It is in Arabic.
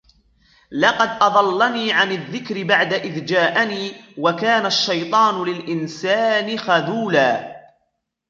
لقد أضلني عن الذكر بعد إذ جاءني وكان الشيطان للإنسان خذولا